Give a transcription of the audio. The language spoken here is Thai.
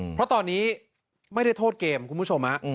เพราะตอนนี้ไม่ได้โทษเกมคุณผู้ชม